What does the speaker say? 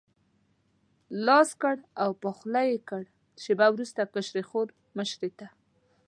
لاس کړ او په خوله یې کړ، شېبه وروسته کشرې خور مشرې ته.